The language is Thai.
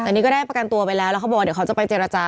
แต่นี่ก็ได้ประกันตัวไปแล้วแล้วเขาบอกว่าเดี๋ยวเขาจะไปเจรจา